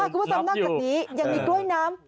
คุณผู้ตำนักกันนี้ยังมีกล้วยน้ำ